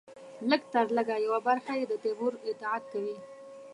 لږترلږه یوه برخه یې د تیمور اطاعت کوي.